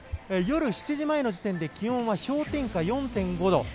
夜７時前の時点で気温は氷点下４．５度。